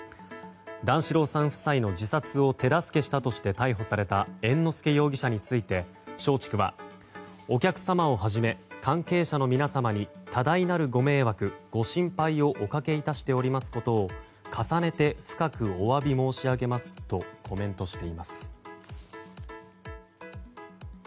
段四郎さん夫妻の自殺を手助けしたとして逮捕された猿之助容疑者について、松竹はお客様をはじめ関係者の皆様に多大なるご迷惑、ご心配をおかけいたしておりますことを重ねて深くおわび申し上げますとコメントしています。